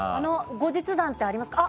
後日談ってありますか？